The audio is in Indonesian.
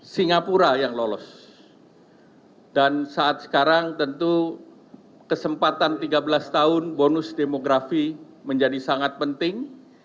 singapura yang lolos dan saat sekarang tentu kesempatan tiga belas tahun bonus demografi menjadi sangat penting